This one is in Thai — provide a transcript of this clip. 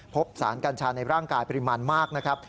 พบสารกัญชาในร่างกายปริมาณมากนะครับ